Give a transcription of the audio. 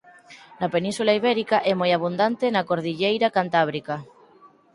Na península Ibérica é moi abundante na Cordilleira cantábrica.